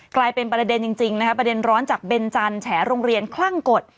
กลายเป็นประเด็นจริงนะคะประเด็นร้อนจากเบนจันทร์แฉโรงเรียนคลั่งกฎ